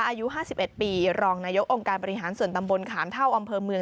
อายุ๕๑ปีรองนายกองค์การบริหารส่วนตำบลขามเท่าอำเภอเมือง